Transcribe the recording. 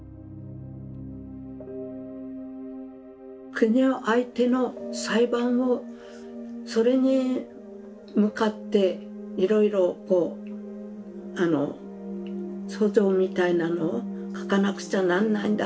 国を相手の裁判をそれに向かっていろいろこうあの訴状みたいなのを書かなくちゃなんないんだって。